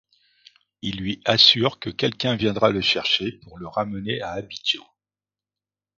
Ils lui assurent que quelqu'un viendra le chercher pour le ramener à Abidjan.